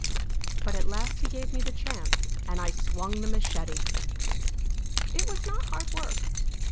But at last he gave me the chance, and I swung the machete. It was not hard work.